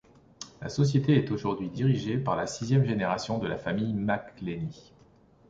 La société est aujourd'hui dirigée par la sixième génération de la famille McIlhenny.